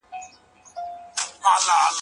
هغه هلته د عادي کارګر په توګه کار کاوه.